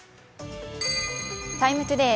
「ＴＩＭＥ，ＴＯＤＡＹ」